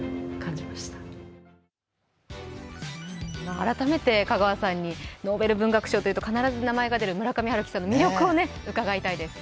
改めて香川さんにノーベル文学賞というと必ず名前が出る村上春樹さんの魅力を伺いたいです。